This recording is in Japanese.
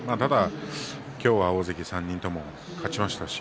今日は大関３人とも勝ちましたし